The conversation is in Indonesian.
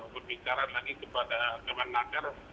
berbicara lagi kepada teman teman